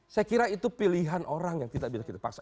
saya kira itu pilihan orang yang tidak bisa kita paksa